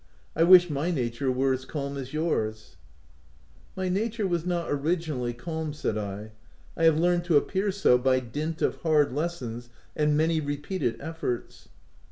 I wish my nature were as calm as yours !*'" My nature was not originally calm," said I : u I have learned to appear so by dint of hard lessons, and many repeated efforts."